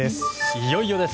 いよいよです。